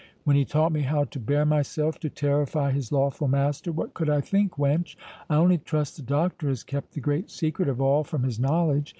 —when he taught me how to bear myself to terrify his lawful master, what could I think, wench? I only trust the Doctor has kept the great secret of all from his knowledge.